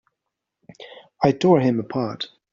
I tore him apart!